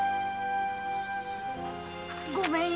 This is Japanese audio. ごめんよ。